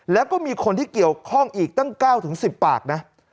แล้วก็มีคนที่เกี่ยวข้องอีกตั้ง๙๑๐ปากนะ